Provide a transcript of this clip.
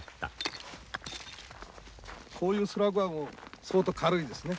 こういうスラグは相当軽いですね。